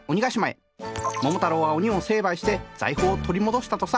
桃太郎は鬼を成敗して財宝を取り戻したとさ。